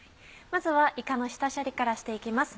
まずはいかの下処理からして行きます。